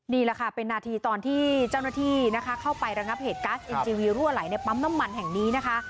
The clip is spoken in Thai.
นี่แหละค่ะเป็นนาทีตอนที่เจ้าหน้าที่นะคะเข้าไประงับเหตุกัสเอ็นจีวีรั่วไหลในปั๊มน้ำมันแห่งนี้นะคะ